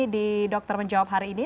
di dokter menjawab hari ini